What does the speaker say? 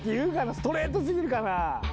ストレート過ぎるかな？